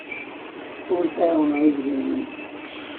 Ur tɛawneḍ igellilen.